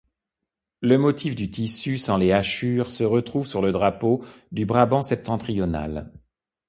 Le motif du tissu, sans les hachures, se retrouve sur le drapeau du Brabant-Septentrional.